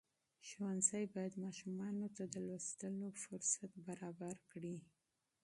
ښوونځي باید ماشومانو ته د مطالعې فرصت برابر کړي.